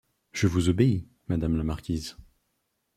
Je vous obéis, madame la marquise.